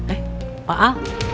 eh pak a